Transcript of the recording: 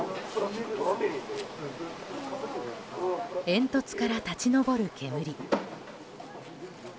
煙突から立ち上る煙。